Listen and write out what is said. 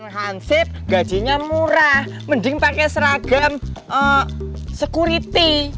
hansip gajinya murah mending pakai seragam security